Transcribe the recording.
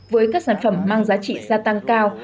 với các sản phẩm mang giá trị gia tăng cao